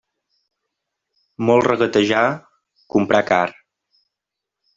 Molt regatejar, comprar car.